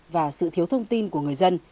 và sự thiếu thông tin của người dân